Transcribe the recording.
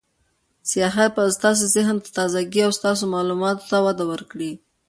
سیاحت به ستاسو ذهن ته تازه ګي او ستاسو معلوماتو ته وده ورکړي.